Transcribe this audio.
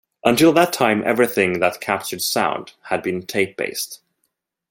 Until that time everything that captured sound had been tape-based.